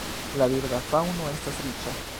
La birda faŭno estas riĉa.